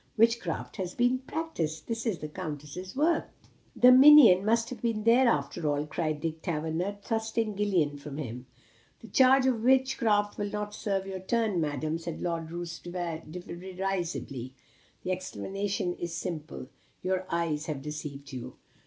Witchcraft has been practised. This is the Countess's work." "The minion must have been there, after all," cried Dick Taverner, thrusting Gillian from him. "The charge of witchcraft will not serve your turn, Madam," said Lord Roos derisively. "The explanation is simple. Your eyes have deceived you."